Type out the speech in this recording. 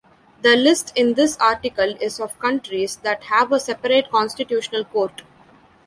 The list in this article is of countries that have a separate constitutional court.